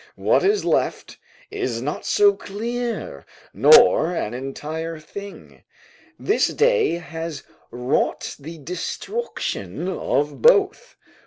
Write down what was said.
What is left is not so dear, nor an entire thing: this day has wrought the destruction of both."